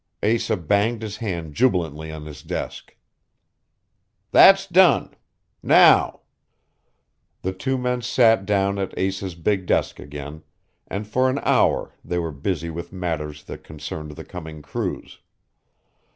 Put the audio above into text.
Asa banged his hand jubilantly on his desk. "That's done. Now ..." The two men sat down at Asa's big desk again; and for an hour they were busy with matters that concerned the coming cruise.